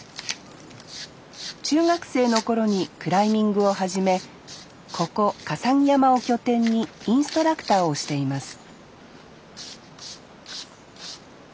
中学生の頃にクライミングを始めここ笠置山を拠点にインストラクターをしています